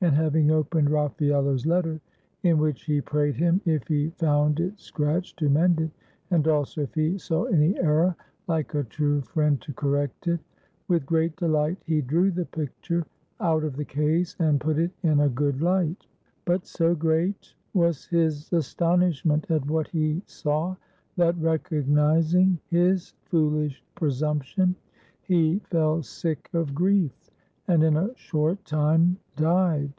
And having opened Raffaello's letter (in which he prayed him, if he found it scratched, to mend it, and also, if he saw any error, Hke a true friend, to correct it), with great delight he drew the picture out of the case and put it in a good light. But so great was his astonishment at what he saw that, recognizing his fooHsh presumption, he fell sick of grief, and in a short time died.